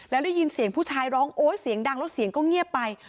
แล้วได้ยินเสียงผู้ชายร้องโอ๊ยเสียงดังแล้วเสียงก็เงียบไป